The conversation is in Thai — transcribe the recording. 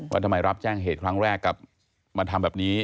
ว่าทำไมรับแจ้งเหตุครั้งแรกกับมาทำแบบนี้